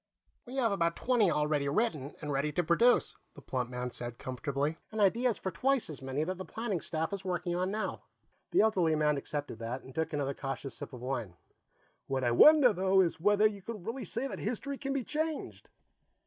"We have about twenty already written and ready to produce," the plump man said comfortably, "and ideas for twice as many that the planning staff is working on now." The elderly man accepted that and took another cautious sip of wine. "What I wonder, though, is whether you can really say that history can be changed."